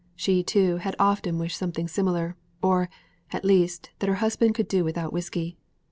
She, too, had often wished something similar or, at least, that her husband could do without whisky.